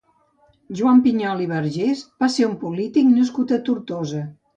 Joan Piñol i Verges va ser un polític nascut a Tortosa.